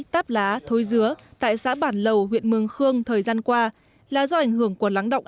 táp lá thối dứa tại xã bản lầu huyện mường khương thời gian qua là do ảnh hưởng của lắng động